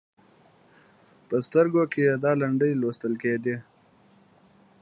په سترګو کې یې دا لنډۍ لوستل کېدې: